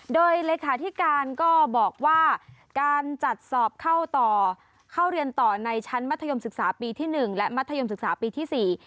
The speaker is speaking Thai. โดยเลขาธิการก็บอกว่าการจัดสอบเข้าต่อเข้าเรียนต่อในชั้นมัธยมศึกษาปีที่หนึ่งและมัธยมศึกษาปีที่สี่